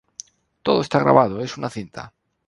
Todo está grabado, es una cinta.